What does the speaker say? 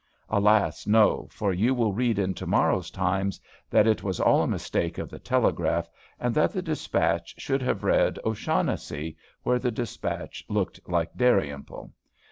Alas! no; for you will read in to morrow's "Times" that it was all a mistake of the telegraph, and that the dispatch should have read "O'Shaughnessy," where the dispatch looked like "Dalrymple."